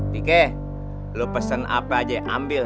dike lo pesen apa aja ambil